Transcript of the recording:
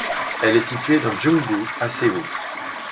Elle est située dans Jung-gu, à Séoul.